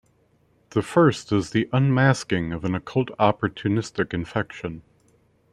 The first is the "unmasking" of an occult opportunistic infection.